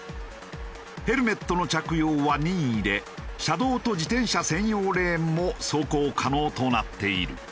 ヘルメットの着用は任意で車道と自転車専用レーンも走行可能となっている。